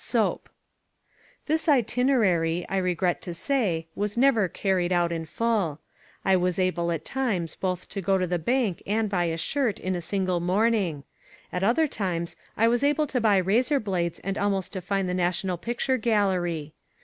Soap. This itinerary, I regret to say, was never carried out in full. I was able at times both to go to the bank and buy a shirt in a single morning: at other times I was able to buy razor blades and almost to find the National Picture Gallery.